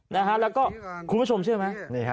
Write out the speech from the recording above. แล้วก็คุณผู้ชมเชื่อไหม